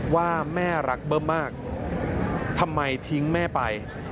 ว่าแม่รักเบิ้มมากทำไมทิ้งแม่ไป